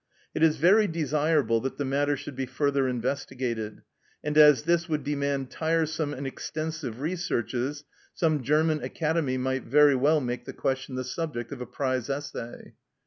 It is very desirable that the matter should be further investigated, and as this would demand tiresome and extensive researches, some German Academy might very well make the question the subject of a prize essay.